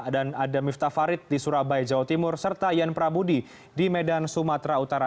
dan yann prabudi di medan sumatera utara